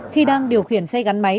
khi đang điều khiển xe gắn máy